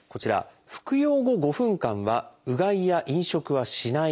服用後５分間はうがいや飲食はしないこととあります。